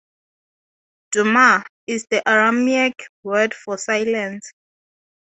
"Dumah" is the Aramaic word for silence.